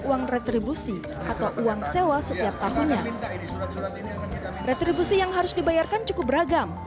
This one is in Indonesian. uang retribusi atau uang sewa setiap tahunnya retribusi yang harus dibayarkan cukup beragam